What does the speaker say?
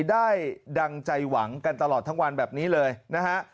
ได้ดังใจหวังกันตลอดทั้งวันแบบนี้เลยนะฮะ